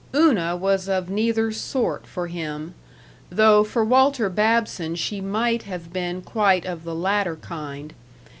Una was of neither sort for him, though for Walter Babson she might have been quite of the latter kind.